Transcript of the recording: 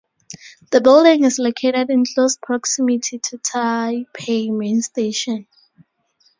The building is located in close proximity to Taipei Main Station.